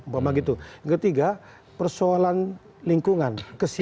yang ketiga persoalan lingkungan